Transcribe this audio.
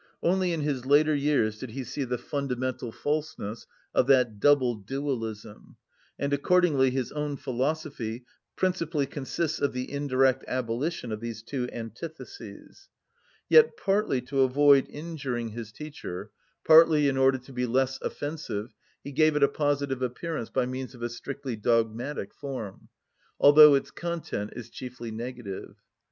Only in his later years did he see the fundamental falseness of that double dualism; and accordingly his own philosophy principally consists of the indirect abolition of these two antitheses. Yet partly to avoid injuring his teacher, partly in order to be less offensive, he gave it a positive appearance by means of a strictly dogmatic form, although its content is chiefly negative.